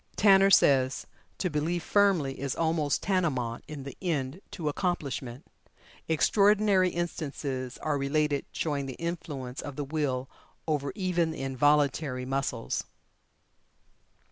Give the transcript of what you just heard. Tanner says: "To believe firmly is almost tantamount in the end to accomplishment. Extraordinary instances are related showing the influence of the will over even the involuntary muscles."